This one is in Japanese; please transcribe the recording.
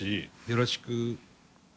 よろしく。